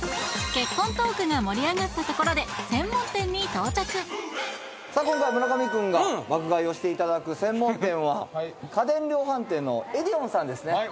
結婚トークが盛り上がったところでさあ今回村上君が爆買いをしていただく専門店は家電量販店のエディオンさんですね。